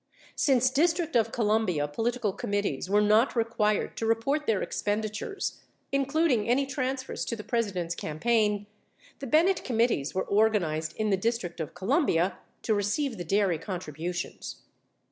Since District of Columbia political committees were not required to report their expenditures (including any transfers to the President's campaign), the Bennett committees were organized in the District of Columbia to receive the dairy contributions.